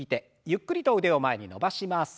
ゆっくりと腕を前に伸ばします。